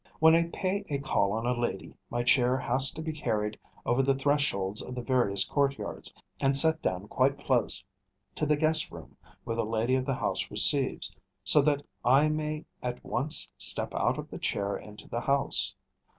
When I pay a call on a lady, my chair has to be carried over the thresholds of the various courtyards, and set down quite close to the guest room, where the lady of the house receives, so that I may at once step out of the chair into the house.